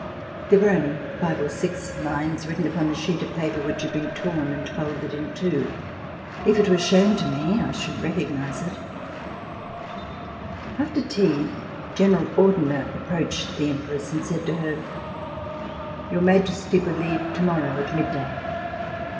There were only five or six lines written across a sheet of paper which had been torn and folded in two. If it w ere shown to me I should recognize It. After tea. General Ordener approached the Empress and said to her: "Your Majesty will leave tomorrow [333 ] RECOLLECTIONS OF THE REVOLUTION at mid day."